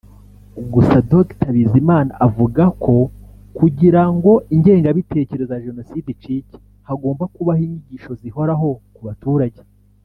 Gusa Dr Bizimana avuga ko kugira ngo ingengabitekerezo ya Jenoside icike hagomba kubaho inyigisho zihoraho ku baturage